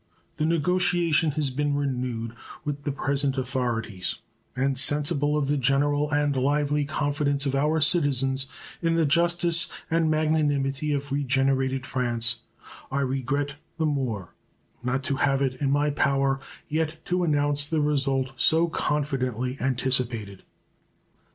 The negotiation has been renewed with the present authorities, and, sensible of the general and lively confidence of our citizens in the justice and magnanimity of regenerated France, I regret the more not to have it in my power yet to announce the result so confidently anticipated.